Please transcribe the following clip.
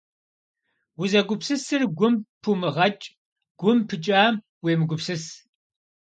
Узэгупсысыр гум пумыгъэкӏ, гум пыкӏам уемыгупсыс.